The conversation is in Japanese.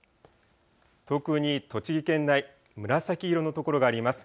特に栃木県内、紫色の所があります。